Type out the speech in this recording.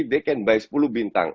mereka bisa beli sepuluh bintang